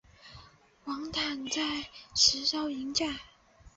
王掞在石槽迎驾。